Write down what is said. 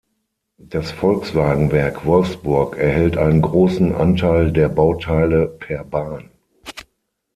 Das Volkswagenwerk Wolfsburg erhält einen großen Anteil der Bauteile per Bahn.